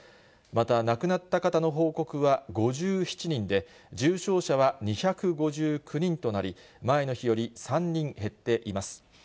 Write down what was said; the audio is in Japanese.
また亡くなった方の報告は５７人で、重症者は２５９人となり、前の日より３人減っています。